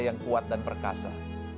yang kuat dan perkasa